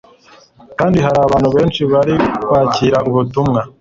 kandi hari abantu benshi bari kwakira ubutumwa,